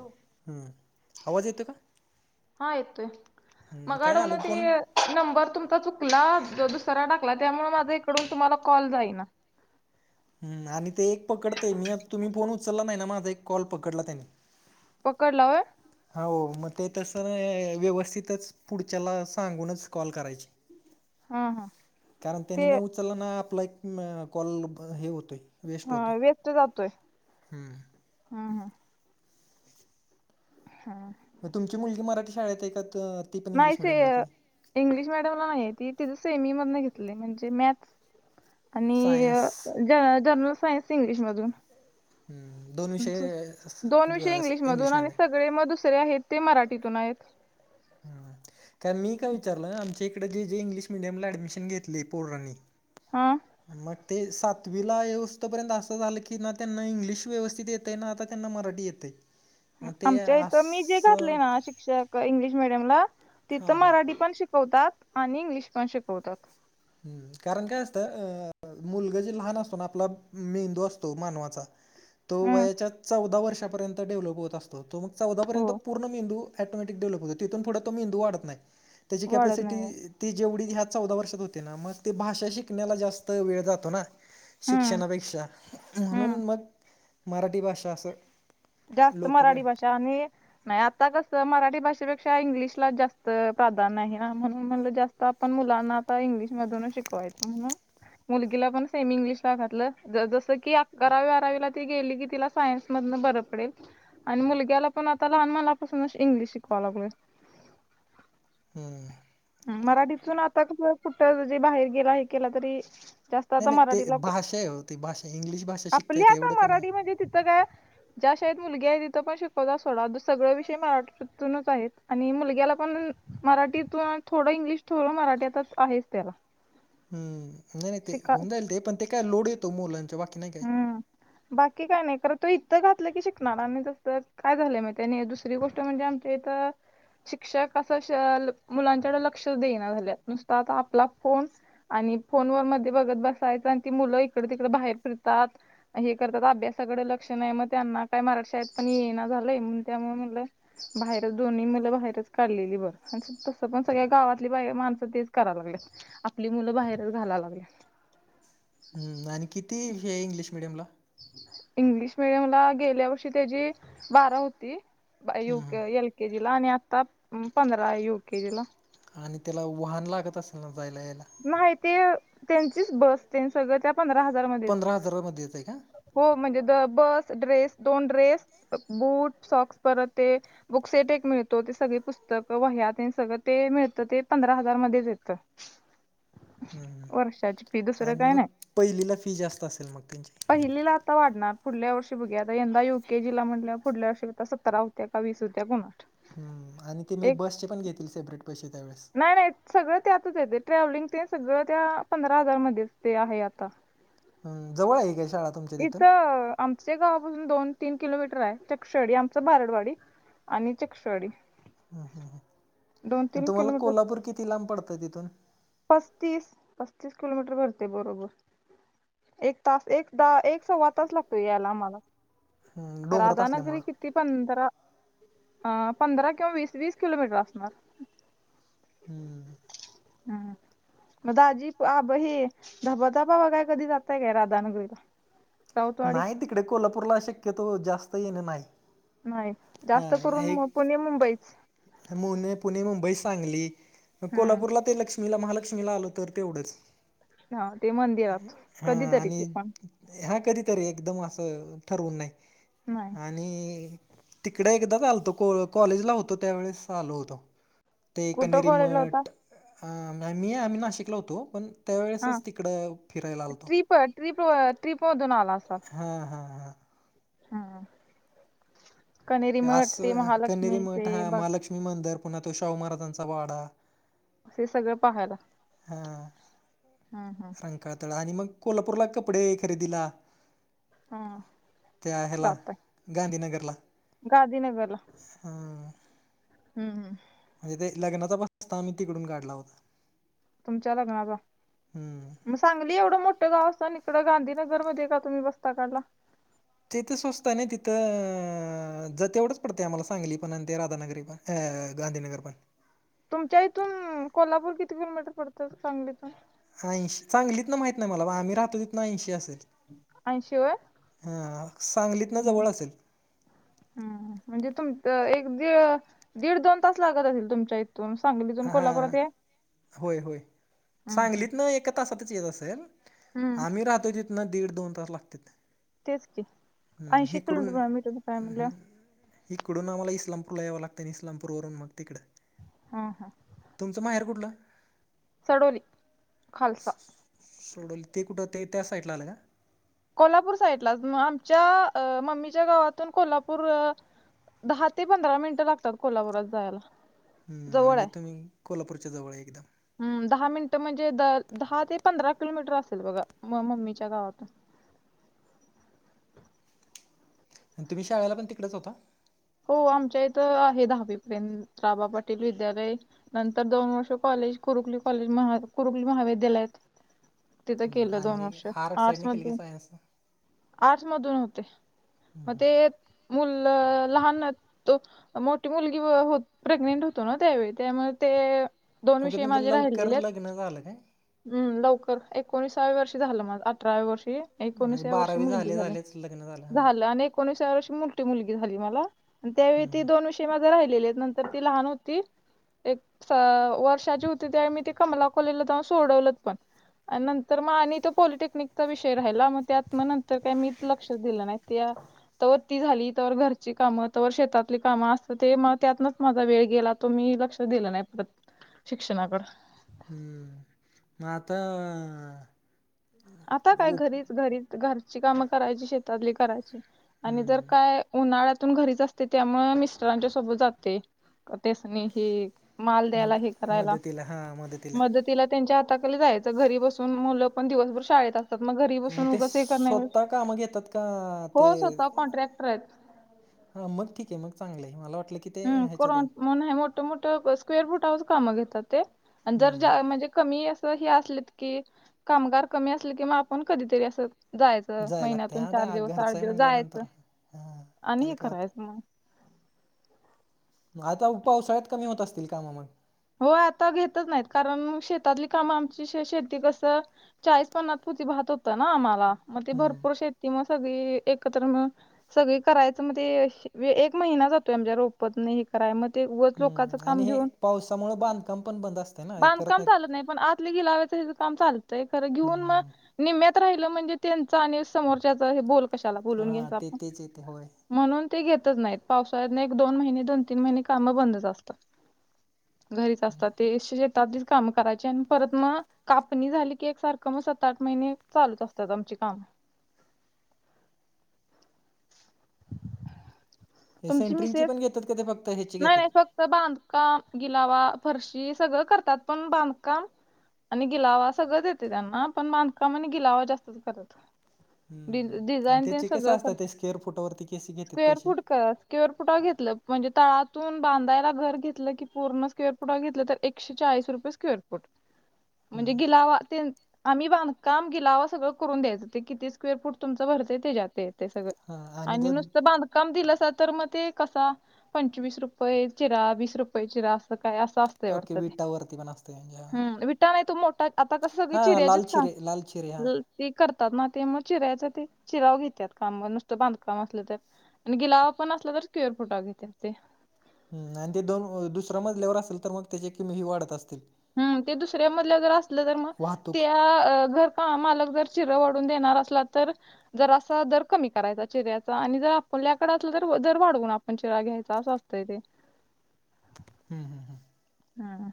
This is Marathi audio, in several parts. हो. हम्म आवाज येतो का हा येतोय हम्म मग काय आडवून झालं ते. फोन नंबर तुमचा चुकला जो दुसरा टाकला त्यामुळे माझा इकडून तुम्हाला कॉल जाई ना. हम् आणि ते एक पकडते मी तुम्ही फोन उचलला नाही, ना माझा एक कॉल पकडला त्याने. पकडला होय. हो म ते तसं नाय व्यवस्थितच पुढच्याला सांगूनच कॉल करायची. हम् कारण त्यांनी नाही उचलला ना आपला एक कॉल हे होतोय. वेस्ट हा होतोय वेस्त जातोय. हम्म. हा. हा. [inaudible] हा. तुमची मुलगी मराठी शाळेत आहे का तर. नाही से इंग्लिश मीडियमला नाहीय ती तिनं सेमी मध घेतली म्हणजे मॅथ्स. आणि सायन्स ज जर्नल सायन्स इंग्लिश मधून. हम्म दोन विषय दोन विषय इंग्लिशमधून आणि इंग्लिशमध्ये सगळे मग दुसरे आहेत ते मराठीतून आहेत. [inaudible] तर मी काय विचारलं आमच्या इकडे जे जे इंग्लिश मिडियमला ऍडमिशन घेतली पोरांनी हा. मग ते सातवीला येऊस्थपर्यंत असं झालं की ना त्यांना इंग्लिश व्यवस्थित ये ते ना आता त्यांना मराठी येते. आमच्या इथं मी जे घातले ना शिक्षक इंग्लिश मिडियमला हां तिथं हां मराठी पण शिकवतात आणि इंग्लिश पण शिकवतात. कारण काय असतं अ मुलगा जे लहान असतो ना आपला मेंदू असतो मानवाचा. तो हम्म वयाच्या चौदा वर्षापर्यंत डेव्हलप होत असतो तो मग चौदा हो पर्यंत पूर्ण मेंदू. ऑटोमॅटिक डेव्हलप होतो तिथून पुढं तो मेंदू वाढत नाही त्याची वाढत नाही कॅपॅसिटी हो. ती जेवढी ह्या चौदा वर्षात हो ते ना म ते भाषा शिकण्याला जास्त वेळ जातो ना. हम्म शिक्षणापेक्षा हम्म म्हणून मग मराठी भाषा असं. जास्त लोकड मराठी भाषा आणि नाही आता कस मराठी भाषेपेक्षा इंग्लिशला जास्त प्राधान्य ना म्हणून म्हणलं जास्त. आता आपण मुलांना आता इंग्लिश मधूनच शिकवायचं म्हणून. मुलगीला पण सेमी इंग्लिशला घातलं जस की अकरावी बारावीला ती गेली की तिला सायन्स मधन बर इकडे आणि मुलग्याला पण आता लहानपणापासून इंग्लिश शिकवा लागलोय. [inaudible] हम्म. मराठीतून आता कुठं जे बाहेर गेला आहे केला तरी. जास्त नाही आता नाही ते मराठीला भाषा आहे हो ती भाषा इंग्लिश भाषा शिकता आपली येते आता एवढं काय नाही मराठी म्हणजे तिथं काय. ज्या शाळेत मुलगी आहे तिथं पण शिकवतात सोडा सगळ विषय मराठीतूनच आहेत आणि मुलग्याला पण मराठीतून थोडं इंग्लिश, थोडं मराठी आता आहेच त्याला. हम्म नाही नाही ते शिका होन जाईल ते पण ते काय लोड येतो मुलांच्या बाकी नाही. काय. हा. बाकी काय नाही करत तो इथं घातलं की, शिकणार आणि तस काय झालंय म त्यानी दुसरी गोष्ट म्हणजे आ ते तर. शिक्षक असं मुलांच्याकडे लक्ष देईना झाल्या नुसत आता आपला फोन. आणि फोन वर मध्ये बघत बसायचं आणि ती मुलं इकडं तिकडं बाहेर फिरतात. हे करतात अभ्यासाकडे लक्ष नाही मग त्यांना काय मराठशाळेत पण ये ना झालंय त्यामुळे म्हटलं. बाहेर दोन्ही मुलं बाहेरच काढलेली बरं, तसं पण सगळ्या गावातली बाई माणसं तेच कराय लागलेत. आपली मुलं बाहेरच घालाय लागल्यात. हम्म. आणि किती हे इंग्लिश मिडियम ला. इंग्लिश मिडियम ला गेल्या वर्षी, त्यांची बारा होती. यु हं, हं. के एल केजी ला आणि, आता पंधरा यु के जी ला. आणि त्याला वाहन लागत असेल, ना जायला यायला. नाही ती त्यांचीच बस तेन, सगळं त्या पंधरा हजार मध्येच. येतंय का? हो म्हणजे, बस ड्रेस दोन ड्रेस बूट सॉक्स परत ते. बुक सेट एक मिळतो, ते सगळी पुस्तक वह्या तेन सगळं ते, मिळत ते पंधरा हजार मध्येच येत. हम्.. दुसरं आणि काय मग नाही पहिलीला फी जास्तं असेल मग त्यांची. पहिलीला आता वाढणार पुढल्या वर्षी बघूया आता, यंदा युके जीला म्हटल्यावर पुढल्या वर्षी आता सतरा. त्या काय वीस होत्या, कोणस ठावूक. हम्म. आणि ते मी बसचे पण घेतील, सेपरेट पैसे त्यावेळेस. नाही नाही सगळं त्यातच येतंय, ट्रॅव्हलिंग तेन सगळं त्या पंधरा हजार मध्येच ते आहे आता. हम. जवळ आहे, काय शाळा. तुमच्या तिथून? इथं आमचे गावापासून दोन तीन किलोमीटर आहे चक्षडी आमचं भारडवाडी. आणि चक्षवाडी. ह् ह ह.. तुम्हाला कोल्हापूर किती लांब पडतं तिथून. पस्तीस पस्तीस किलोमीटर भरते बरोबर. एक तास एक दहा एक सव्वा तास लागतो, यायला आम्हाला हं, डोंगरात राधानगरी असल्यामुळं. कि ती पंधरा पंधरा किंवा, वीस वीस किलोमीटर असणार. हम्म... हम् मग दाजी आभ हे धबाधबा बगा कधी जातंय काय राधानगरीला. राऊतवाडी नाही तिकडे कोल्हापूरला शक्यतो जास्त येणं नाही. नाही जास्तं करून मग पुणे मुंबईच. मुणे पुणे मुंबई सांगली. मग हम्म कोल्हापूरला ते लक्ष्मीला महालक्ष्मीला आलो तर तेवढंच. हा ते मंदिरात हा कधीतरी आणि, ते पण हा कधीतरी एकदम असं, ठरवून नाही नाही आणि तिकडं एकदाच आलतो, कॉलेजला होतो त्यावेळेस आलो होतो. ते कुठं कॉलेजला होता कनेरीमठ हा.. मी आम्ही नाशिकला होतो पण. हा त्यावेळेसच तिकडं फिरायला आलतो. ट्रिप ट्रिप मधून आला असाल. हा हा हा. हम. कनेरी मठ ते महालक्ष्मी ते ब लक्ष्मी मंदर पुन्हा तो शाहू महाराजांचा वाडा. हे सगळं पाहायला. हा हम्म हम्म रंकाळा तळ आणि मग कोल्हापूरला कपडे खरेदीला. हा त्या हेला जातय गांधीनगरला. गांधीनगरला. हम्म.. हम्म हम्म.. म्हणजे ते लग्नाचा बस्ता आम्ही, तिकडून काढला होता. तुमच्या लग्नाचा हम्म मस्त. सांगली एवढं मोठं गाव असताना, आणि इकडं गांधीनगर मध्ये का तुम्ही बस्ता काढला. तिथं स्वस्थ हाय नी, तिथं जर तेवढंच पडते आम्हाला सांगली पण ते राधानगरी पण. अ.. गांधीनगरपण. तुमच्या इथून कोल्हापूर किती किलोमीटर पडतं सांगलीतून? ऐंशी सांगलीत न माहित नाही मला, आम्ही राहतो तिथंन ऐंशी असलं. ऐंशी हा, सांगलीतनं जवळ असेल? हम. म्हणजे तुमच्या एक दीड दीड दोन तास लागत, असेल तुमच्या इथून. तून सांगली. हा हा.. होय होय हम्म हम्म सांगलीत न एक एका तासांतच येत असंल, ‌ हम्म आम्ही राहतो तिथंन दीड दोन तास लागतेत. तेच की हम्म ऐंशी हिकडून किलोमीटर मीटर काय अं म्हणलं हं हिकडून आम्हाला इस्लापूरला यावं लागतं आणि इस्लामपूरवरून मग तिकडं. हा हा. तुमचं माहेर कुठलं. सडोली खालसा सोडल ते कुठं ते त्या साईटला आलं का? कोल्हापूर साईडलाच मग आमच्या अ मम्मीच्या गावातून कोल्हापूर दहा ते पंधरा मिनिटं लागतात, कोल्हापुरात जायला. हम्म जवळ म्हणजे आहे. तुम्ही कोल्हापूरच्या जवळ आहे एकदम. हम्म दहा मिनिटं म्हणजे द-दहा ते पंधरा किलोमीटर असेल बघा म-मम्मीच्या गावातून. आणि तुम्ही शाळेला पण तिकडेच होता. हो आमच्या इथं आहे दहावीपर्यंत. रा बा पाटील विद्यालय. नंतर दोन वर्ष, कॉलेज कुरुकली कॉलेज म कुरुकली महाविद्यालयात. तिथं हम्म, केलं, दोन आणि वर्ष आर्ट आर्ट्स साईडने केली की मध्ये. सायन्स आर्टसमधून होते, मग ते मुलं लहान तो मोठी मुलगी प्रेग्नेंट होतो ना. त्यावेळी त्यामुळे ते, दोन ओके विषय तुमचं माझे लवकर राहिलेलेत. लग्न झालं काय हम्. लवकर एकोणसाव्या वर्षी झालं माझं, अठराव्या वर्षी. म्हणजे एकोणीसव्या वर्षी बारावी मुलगी झाले झाली, झालेच लग्न हां झालं आणि एक एकोणिसाव्या वर्षी मोठी मुलगी झाली मला आणि त्यावेळी हम्म, ती हम्म. दोन ते माझे राहिलेले आहेत. नंतर ती लहान होती एक अ वर्षाचीे होती त्यावेळी मी ते कमला कॉलेजला जाऊन सोडवलंत पण. आणि नंतर मग आणि तो पॉलिटेक्निकचा विषय राहिला. मग त्यात मग नंतर काय मी लक्षात दिलं नाही, तवर ती झाली तवर घरची. काम तवर शेतातली कामं असत, ते मग त्यातनच माझा वेळ गेला, तो मी लक्ष दिलं नाही परत. शिक्षणाकडं. हम्म मग आता आता काय ओप घरीच. घरीच घरची कामं करायची, शेतातली करायची आणि जर हम्म. काय उन्हाळ्यातून घरीच असते, त्यामुळे मिस्टरांच्या सोबत जाते. त्यासनी हे माल द्यायला, मद हे करायला मदतीला हां मदतीला मदत. तिला त्यांच्या हाताखाली जायचं, घरी बसून मुलं पण दिवसभर शाळेत असं. मग घरी बसून ते उगंच हे करण्यापेक्षा, स्वतः ‌ कामं घेतात का ते हो स्वतः कॉन्ट्रॅक्टर आहेत. हा मग ठीक आहे मग, चांगलंय मला वाटलं की. ते हम्म को ह्याच्यात आहेत म्हणून हे मोठ मोठं स्क्वेअर फुटावरचं कामं घेतात ते आणि जर हम्म. ज्या म्हणजे कमी असं हे असलेत की, ‌कामगार कमी असले की मग आपण कधीतरी अस जायाचं जायला लागते महिन्यातून हा चार दा दिवस, आठ घरचं आहे दिवस जायाचं म्हटल्यानंतर हां आणि हे त्याला काय होतं करायचं मग. मग आता पावसाळ्यात कमी होत असतील काम मग? हो आता घेतच नाहीत. कारण मग शेतातली कामं आमची शेती कसं चाळीस पन्नास पोती भात होतं ना आम्हाला, मग ते हम्म, भरपूर शे कि मग सगळी एकत्र मिळून सगळी करायचं, मग ते एक महिना जातोय. आमच्या रोप होतं नाही हे कराय, मग ते ऊगच लोकांचं हम्म. आणि काम हे घेऊन पावसामुळं बांध काम पण बंद अस बांधकाम चालत नाही पण, आतल गीलावाचं हेच काम चालतंय खरं हम्म, घेऊन मग. हम्म. निम्यात राहिलं म्हणजे त्यांचा आणि समोरच्याचा बोल कशाला बोलून हां घ्यायच ते आपण. तेच येते होय म्हणून ते घेतच नाहीत, पावसाळ्याने एक दोन महिने दोन तीन महिने कामं बंदच असतात. घरीच असतात ते शेतातीच काम करायचे, आणि परत मग. कापणी झाली की एक सारखं, मग सात आठ महिने चालूच असत्यात आमची कामं. ते तुमची सेंट्रिंग मिसेस पण घेतात का ते फक नाही नाही, फक्त बांधकाम गिलावा फरशी सगळं करतात पण बांधकाम. आणि गिलावा सगळं देते त्यांना, पण बांधकाम गिलावा जास्तच करतात. हम्म. आणि डिझाईन तेन त्याचे सगळं कसं असतात करत्यात, ते स्क्वेअर फुटावरती केसे घेतात स्क्वेअर पैसे फूट करतं. स्क्वेअर पुटावर घेतलं म्हणजे तळात. तून बांधलाय घर घेतलं की पूर्ण, स्क्वेअर फुटावर घेतलं तर एकशेचाळीस रुपये स्क्वेअर फुट. म्हणजे हम्म. गिलावा तेन. आम्ही बांधकाम गिलावा सगळं करून द्यायचं ते, किती स्क्वेअर फूट तुमचं भरतेय तेच्यात ते. ते सगळं हां आणि जर नुसतं बांधकाम दिलंसा, तर मग ते कसं. चोवीस रुपये चिरा वीस रुपये चिरा, असं काय असं असतंय. ओके वाटत ते विटावरती पण असते म्हणजे हम्म विटा नाही तू मोठा आता कस सग हां हां चिऱ्याचेच लाल चिरे लाल चिरे हां सांग ते करतात ना ते म चिरायचं ते चिराव घेतात, काम नुसतं बांधकाम असलं तर आणि गिलावा पण असला तर स्क्वेअर फुट अजू करते. हम्म आणि ते दोन दुसरया मजल्यावर असेल तर मग त्याचे किमही वाढत असतील. हम्म ते दुसऱ्या मधलं जर असलं तर मग, वाहतूक त्या घर हा मालक जर चिरं वाढून देणार असला तर. जर असा दर कमी करायचा चिराऱ्याचा आणि जर आपणल्याकड असलं तर दर वाढवून आप म्हण चिरा घ्यायच, असं असतय ते. हम्म हम्म हम्म. हा हा.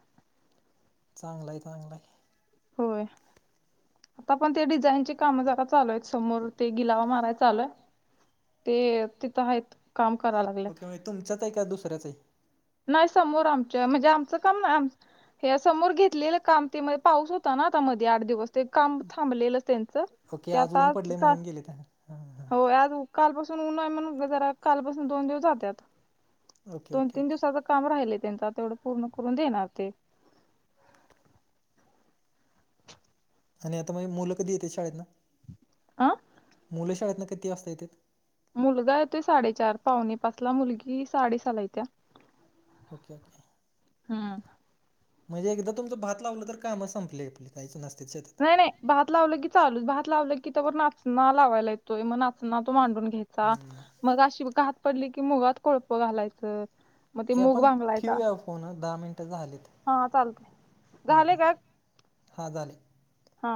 चांगला चांगलाय. होय. आता पण ते डिझाईनचे काम जरा चालूय, आहेत समोर ते गिलावा माराय चालूय. ते तिथं आहेत, काम कराय ओके लागलेत. म्हणजे तुमच्याच आहे का, दुसऱ्याच आहे. नाही समोर आमच्या, म्हणजे आमचं काम ना. हे समोर घेतलेलं काम ते, मध्ये पाऊस होता ना आता मध्ये आठ दिवस. ते काम थांबलेलं त्यांचं, ओके ते आज ऊन आता पडलंय का म्हणून गेले तर हां हां हो आज कालपासून ऊन आहे, म्हण जरा कालपासून दोन दिवस जातात. ओके. तीन ओके दिवसाच काम राहिलय त्यांचा आता तेवढं पूर्ण करून देणार ते. आणि आता माझी मुलं कधी येते शाळेतन? आ? मुले शाळेतन किती वाजता येतेत? मुलगा येतोय साडेचार पावणे पाच, मुलगी साडेसहाला येत्या. Okay okay. हम्म. म्हणजे एकदा तुमचं भात लावलं तर, काम संपले काहीच नसते शेतात. नाही नाही, भात लावलं की चालूच भात लावलं की त्यावर नाचना लावायला येतोय मग नाचना तो मांडून घ्याय का? हम्म. मग अशी घात पडली की मुगात कोळप घालायचं. मग ते हे मूग आपण भांगलायचा ठेवूया फोन दहा मिनटं झालेत हा, चालतंय झाले का. हा झाले. हा.